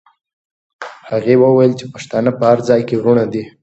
هغې وویل چې پښتانه په هر ځای کې وروڼه دي.